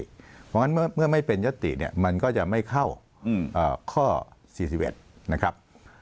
เพราะฉะนั้นเมื่อไม่เป็นยติเนี่ยมันก็จะไม่เข้าข้อ๔๑นะครับ